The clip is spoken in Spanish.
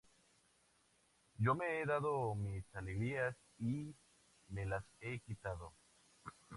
Yo me he dado mis alegrías y me las he quitado.